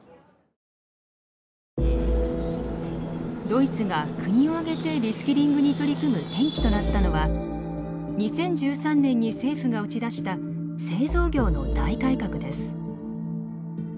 ドイツが国を挙げてリスキリングに取り組む転機となったのは２０１３年に政府が打ち出した製造業の大改革です。